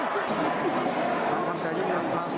ท่านทำใจยิ่งงั้นครับ